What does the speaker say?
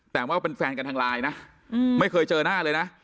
แต่ว่าเป็นแฟนกันทางไลน์นะไม่เคยเจอหน้าเลยนะ